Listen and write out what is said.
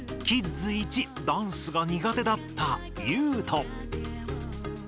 キッズいちダンスが苦手だったユウト。